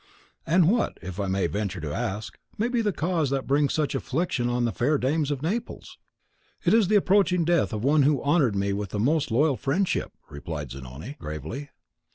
"And what, if I may venture to ask, may be the cause that brings such affliction on the fair dames of Naples?" "It is the approaching death of one who honoured me with most loyal friendship," replied Zanoni, gravely.